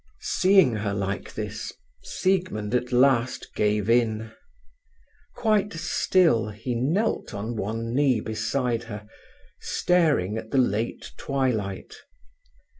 Seeing her like this, Siegmund at last gave in. Quite still, he knelt on one knee beside her, staring at the late twilight.